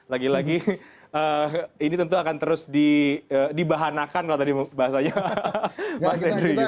lagi lagi ini tentu akan terus dibahanakan kalau tadi bahasanya mas henry